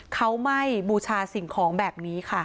เขาไม่บูชาสิ่งของแบบนี้ค่ะ